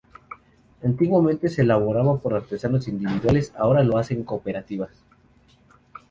Antiguamente se elaboraba por artesanos individuales, ahora lo hacen cooperativas.